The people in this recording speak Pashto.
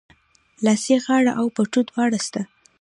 لاسي غاړه او پټو دواړه سته